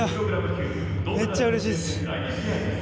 めっちゃうれしいです。